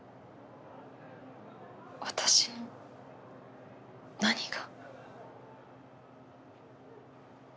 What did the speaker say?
私の何が。